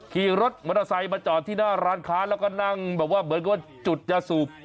ขี่รถมอเตอร์ไซค์มาจอดที่หน้าร้านค้าแล้วก็นั่งแบบว่าเหมือนกับว่าจุดยาสูบ